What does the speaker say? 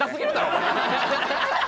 お前。